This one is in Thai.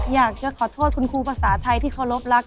อยากจะขอโทษคุณครูภาษาไทยที่เคารพรัก